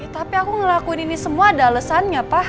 tapi aku ngelakuin ini semua ada alesannya pa